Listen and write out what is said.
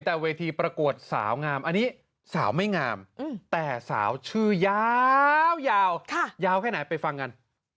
แต่เวทีประกวดสาวงามอันนี้สาวไม่งามแต่สาวชื่อยาวยาวแค่ไหนไปฟังกัน